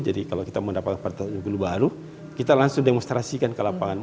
jadi kalau kita mendapatkan prioritas unggul baru kita langsung demonstrasikan ke lapangan